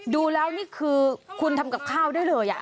ดูแล้วนี่คือคุณทำกับข้าวได้เลย